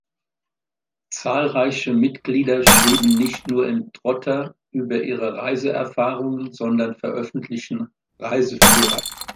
Zahlreiche Mitglieder schrieben nicht nur im Trotter über ihre Reiseerfahrungen, sondern veröffentlichten Reiseführer.